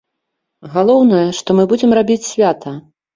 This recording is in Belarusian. Галоўнае, што мы будзем рабіць свята!